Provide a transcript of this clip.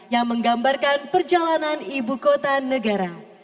yang menggambarkan perjalanan ibu kota negara